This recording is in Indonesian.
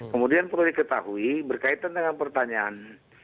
kemudian perlu diketahui berkaitan dengan pertanyaan